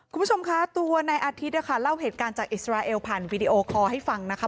คุณผู้ชมคะตัวนายอาทิตย์นะคะเล่าเหตุการณ์จากอิสราเอลผ่านวีดีโอคอร์ให้ฟังนะคะ